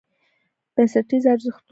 بنسټیز ارزښتونه: